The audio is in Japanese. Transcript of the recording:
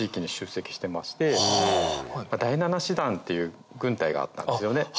第７師団っていう軍隊があったんですよね。